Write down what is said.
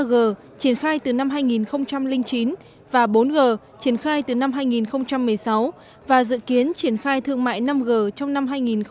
ba g triển khai từ năm hai nghìn chín và bốn g triển khai từ năm hai nghìn một mươi sáu và dự kiến triển khai thương mại năm g trong năm hai nghìn hai mươi